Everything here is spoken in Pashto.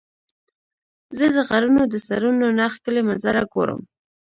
زه د غرونو د سرونو نه ښکلي منظره ګورم.